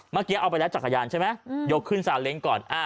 เมื่อกี้เอาไปแล้วจักรยานใช่ไหมอืมยกขึ้นสาเล็งก่อนอ่า